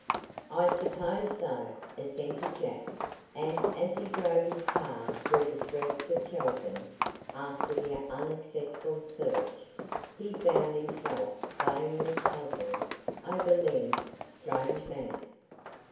"I suppose so," assented Jack, and as he drove his car through the streets of Chelton, after the unsuccessful search, he found himself vainly puzzling over Lem's strange manner.